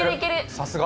さすが。